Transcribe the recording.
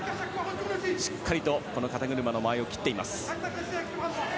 しっかりと肩車の間合いを切っています。